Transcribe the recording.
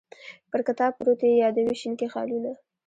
پر کتاب پروت یې یادوې شینکي خالونه